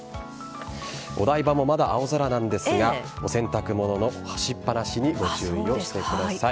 お台場も、まだ青空なんですがお洗濯物の干しっ放しにご注意をしてください。